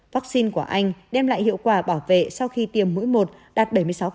vắc xin của anh đem lại hiệu quả bảo vệ sau khi tiêm mũi một đạt bảy mươi sáu